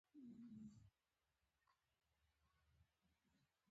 د مسلمانانو سره ورورولۍ د دین اصل دی.